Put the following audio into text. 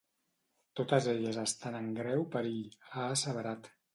Totes elles estan en greu perill, ha asseverat.